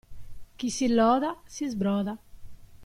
Chi si loda si sbroda.